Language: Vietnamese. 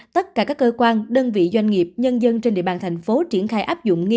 tất cả các cơ quan đơn vị doanh nghiệp nhân dân trên địa bàn thành phố triển khai áp dụng nghiêm